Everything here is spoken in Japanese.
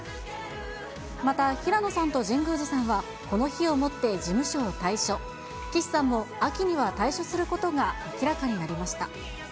また平野さんと神宮寺さんは、この日をもって事務所を退所、岸さんも秋には退所することが明らかになりました。